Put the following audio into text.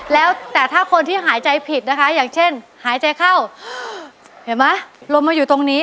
แล้วแต่ถ้าคนที่หายใจผิดนะคะอย่างเช่นหายใจเข้าเห็นไหมลมมาอยู่ตรงนี้